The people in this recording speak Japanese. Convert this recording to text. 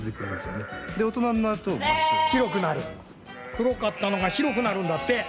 黒かったのが白くなるんだって。